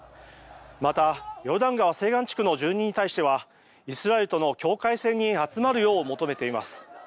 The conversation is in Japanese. また、ヨルダン川西岸地区の住民に対してはイスラエルとの境界線に集まるよう求めています。